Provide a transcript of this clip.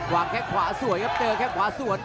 วางแค่ขวาสวยครับเจอแค่ขวาสวย